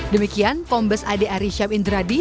demikian kombes ade arishab indradi